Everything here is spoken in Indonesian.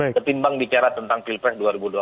ketimbang bicara tentang pilpres dua ribu dua puluh